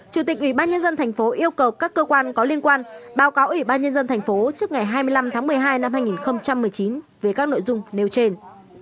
chủ tịch ủy ban nhân dân thành phố yêu cầu các cơ quan có liên quan báo cáo ủy ban nhân dân thành phố trước ngày hai mươi năm tháng một mươi hai năm hai nghìn một mươi chín về các nội dung nêu trên